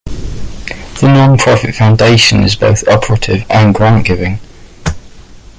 The non-profit foundation is both operative and grant-giving.